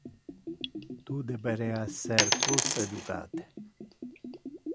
Tu deberea esser plus educate.